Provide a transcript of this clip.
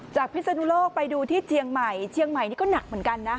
พิศนุโลกไปดูที่เชียงใหม่เชียงใหม่นี่ก็หนักเหมือนกันนะ